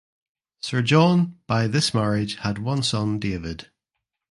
Sir John by this marriage had one son David.